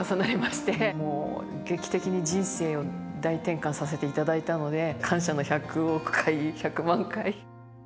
もう劇的に人生を大転換させていただいたので感謝の１００億回１００万回。